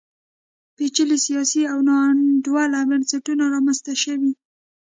پېچلي سیاسي او ناانډوله بنسټونه رامنځته شوي وي.